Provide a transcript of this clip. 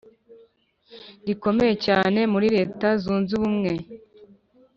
rikomeye cyane muri leta zunze ubumwe